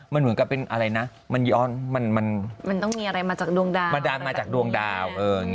มันเหมือนกับเป็นอะไรนะมันย้อนมันต้องมีอะไรมาจากดวงดาว